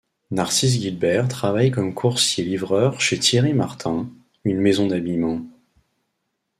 Narcisse Guilbert travaille comme coursier livreur chez Thierry-Martin, une maison d'habillement.